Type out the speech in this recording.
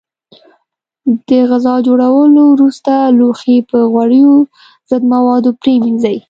د غذا خوړلو وروسته لوښي په غوړیو ضد موادو پرېمنځئ.